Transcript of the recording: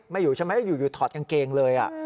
ไม่อยู่ใช่ไหมอยู่ถอดกางเกงเลย